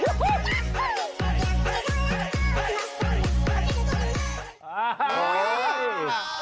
โอ้โห